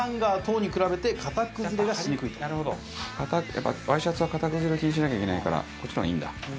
やっぱＹシャツは型崩れ気にしなきゃいけないからこっちの方がいいんだ。